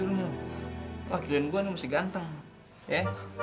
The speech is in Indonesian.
berarti lu wakilin gua masih ganteng ya